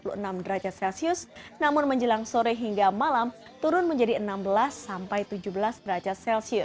kroasia juga berkisar dua puluh lima sampai dua puluh enam derajat namun menjelang sore hingga malam turun menjadi enam belas sampai tujuh belas derajat